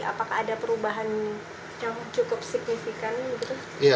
apakah ada perubahan yang cukup signifikan begitu